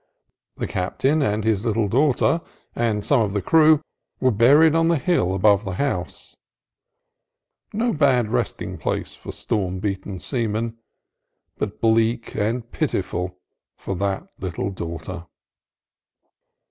The captain and his little daughter, and some of the crew, were buried on the hill above the house, — no bad resting place for storm beaten seaman, but bleak and pitiful for that little daughter!